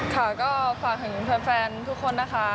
ค่ะก็ฝากถึงแฟนทุกคนนะคะ